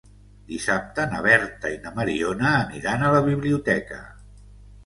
Dissabte na Berta i na Mariona aniran a la biblioteca.